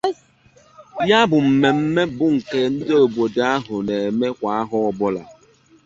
Ya bụ mmemme bụ nke ndị obodo ahụ na-eme kwà ahọ ọbụla